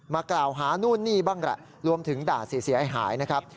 มากล่าวหานู่นนี่บ้างแหละรวมถึงด่าเสียหายนะครับ